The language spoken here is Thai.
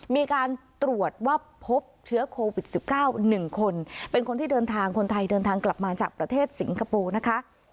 มีการตรวจว่าพบเชื้อโควิด๑๙๑คนเป็นคนที่เดินทางคนไทยเดินทางกลับมาจากประเทศสิงคโปร์นะคะ